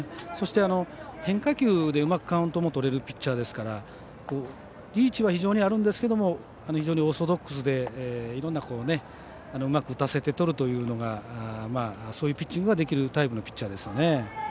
そして、変化球でうまくカウントもとれるピッチャーですからリーチはあるんですけども非常にオーソドックスでうまく打たせてとるというそういうピッチングができるタイプのピッチャーですよね。